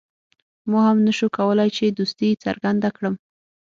ما هم نه شو کولای چې دوستي څرګنده کړم.